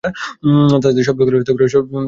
তাদের শবদেহগুলো নিথর হয়ে যত্রতত্র পড়ে থাকে।